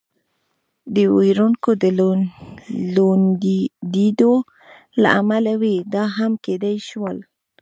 د وېرونو د لوندېدو له امله وي، دا هم کېدای شول.